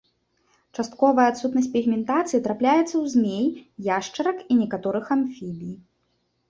Частковая адсутнасць пігментацыі трапляецца ў змей, яшчарак і некаторых амфібій.